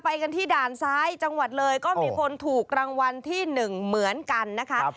ไปกันที่ด่านซ้ายจังหวัดเลยก็มีคนถูกรางวัลที่๑เหมือนกันนะคะ